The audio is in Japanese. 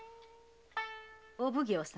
お奉行様。